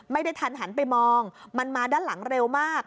ไม่ทันหันไปมองมันมาด้านหลังเร็วมาก